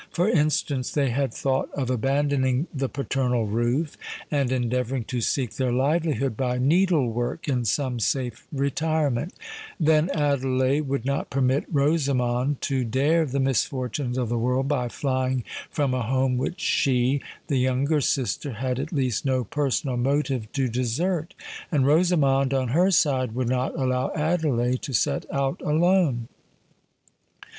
For instance, they had thought of abandoning the paternal roof, and endeavouring to seek their livelihood by needlework in some safe retirement: then Adelais would not permit Rosamond to dare the misfortunes of the world by flying from a home which she—the younger sister—had at least no personal motive to desert; and Rosamond on her side would not allow Adelais to set out alone.